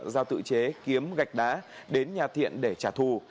giao tự chế kiếm gạch đá đến nhà thiện để trả thù